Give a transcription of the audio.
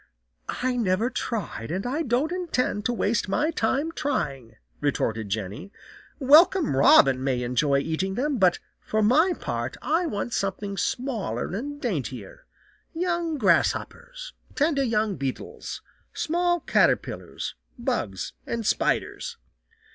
"I've never tried, and I don't intend to waste my time trying," retorted Jenny. "Welcome Robin may enjoy eating them, but for my part I want something smaller and daintier, young grasshoppers, tender young beetles, small caterpillars, bugs and spiders."